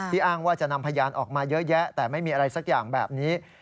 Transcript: อ้างว่าจะนำพยานออกมาเยอะแยะแต่ไม่มีอะไรสักอย่างแบบนี้